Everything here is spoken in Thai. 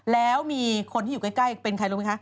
แล้วมีคนที่อยู่ใกล้เป็นใครรู้ไหมคะ